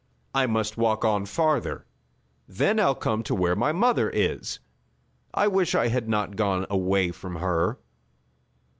"I must walk on farther. Then I'll come to where my mother is. I wish I had not gone away from her."